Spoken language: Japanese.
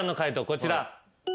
こちら。